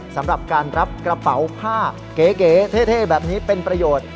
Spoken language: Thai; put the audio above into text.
สำหรับการรับกระเป๋าผ้าเก๋เท่แบบนี้เป็นประโยชน์